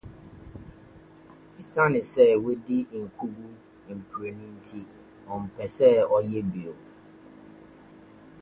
Esiane sɛ wadi nkogu mprenu nti, ɔmpɛ sɛ ɔyɛ bio.